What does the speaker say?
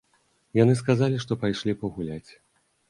Яны сказалі, што пайшлі пагуляць.